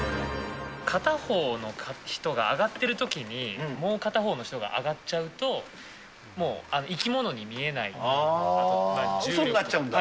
片方の人が上がってるときに、もう片方の人が上がっちゃうと、うそになっちゃうんだ。